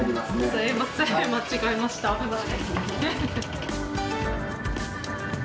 すいません間違いました危ない。